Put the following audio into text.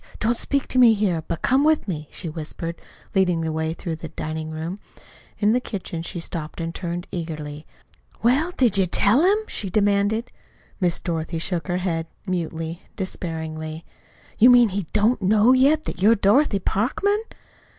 Don't speak here, but come with me," she whispered, leading the way through the diningroom. In the kitchen she stopped and turned eagerly. "Well, did you tell him?" she demanded. Miss Dorothy shook her head, mutely, despairingly. "You mean he don't know yet that you're Dorothy Parkman?"